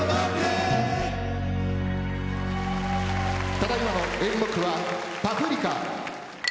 ただいまの演目はパプリカ。